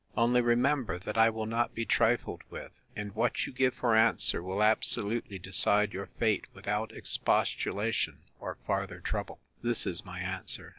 Only remember, that I will not be trifled with; and what you give for answer will absolutely decide your fate, without expostulation, or farther trouble. This is my ANSWER.